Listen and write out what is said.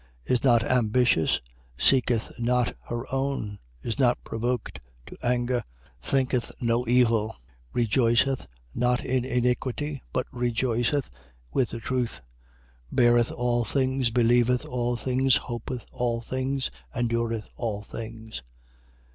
Is not ambitious, seeketh not her own, is not provoked to anger, thinketh no evil: 13:6. Rejoiceth not in iniquity, but rejoiceth with the truth: 13:7. Beareth all things, believeth all things, hopeth all things, endureth all things.